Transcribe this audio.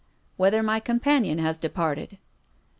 " Whether my companion has departed."